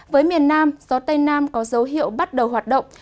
với miền nam gió tây nam có dấu hiệu bắt đầu hoạt động